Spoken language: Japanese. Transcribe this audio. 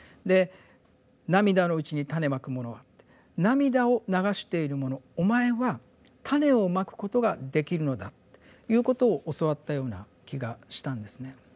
で「涙のうちに種蒔く者は」って涙を流している者お前は種を蒔くことができるのだということを教わったような気がしたんですね。